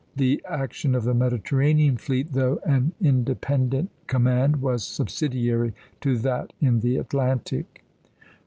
The action of the Mediterranean fleet, though an independent command, was subsidiary to that in the Atlantic.